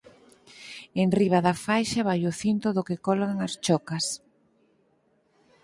Enriba da faixa vai o cinto do que colgan as chocas.